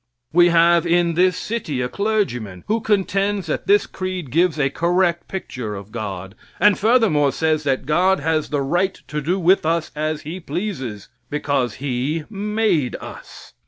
We have in this city a clergyman who contends that this creed gives a correct picture of God, and furthermore says that God has the right to do with us what He pleases because He made us.